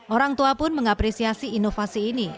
orang tua pun mengapresiasi inovasi ini